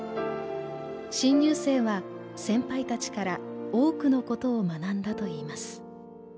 新入生は先輩たちから多くのことを学んだといいます。